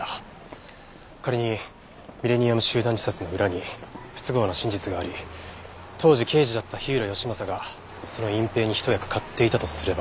仮にミレニアム集団自殺の裏に不都合な真実があり当時刑事だった火浦義正がその隠蔽に一役買っていたとすれば。